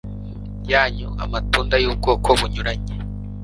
yanyu amatunda yubwoko bunyuranye